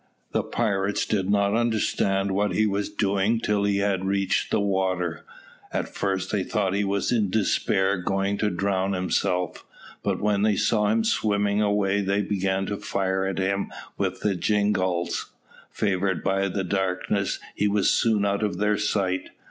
The pirates did not understand what he was doing till he had reached the water; at first they thought he was in despair going to drown himself, but when they saw him swimming away they began to fire at him with the jingalls. Favoured by the darkness, he was soon out of their sight.